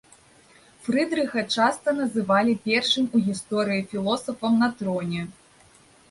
Фрыдрыха часта называлі першым у гісторыі філосафам на троне.